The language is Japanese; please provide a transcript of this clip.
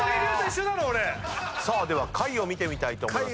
では下位を見てみたいと思います